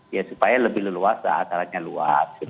ya supaya lebih leluas dan acaranya luas